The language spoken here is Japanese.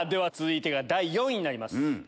続いてが第４位になります。